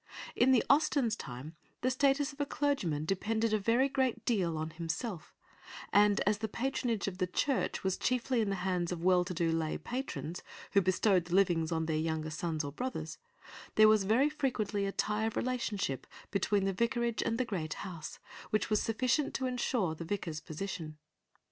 In the Austens' time the status of a clergyman depended a very great deal on himself, and as the patronage of the Church was chiefly in the hands of the well to do lay patrons, who bestowed the livings on their younger sons or brothers, there was very frequently a tie of relationship between the vicarage and the great house, which was sufficient to ensure the vicar's position.